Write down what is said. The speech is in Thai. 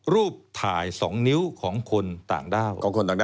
รูปถ่าย๒นิ้วของคนต่างด้าว